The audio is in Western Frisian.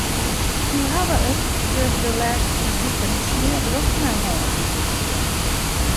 Wy hawwe it der de lêste wiken smoardrok mei hân.